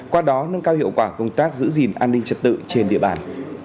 qua đó nâng cao hiệu quả công tác giữ gìn an ninh trật tự trên địa bàn